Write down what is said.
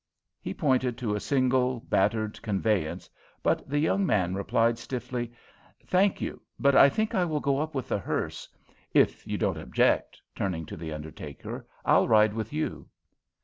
He pointed to a single battered conveyance, but the young man replied stiffly: "Thank you, but I think I will go up with the hearse. If you don't object," turning to the undertaker, "I'll ride with you."